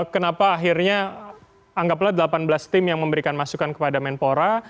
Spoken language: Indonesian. kenapa akhirnya anggaplah delapan belas tim yang memberikan masukan kepada menpora